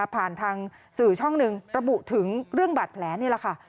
ผ่านทางสื่อช่องหนึ่งระบุถึงเรื่องบาดแผลนี่แหละค่ะ